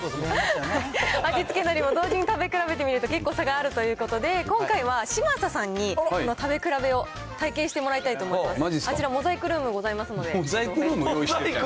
味付けのりを同時に食べ比べてみると、結構差があるということで、今回は嶋佐さんに食べ比べを体験してもらいたいと思いますまじっすか。